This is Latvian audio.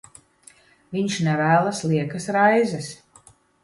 Viņš nevēlas liekas raizes.